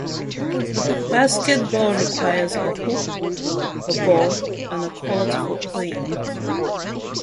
Basketball requires a hoop, a ball, and a court for playing.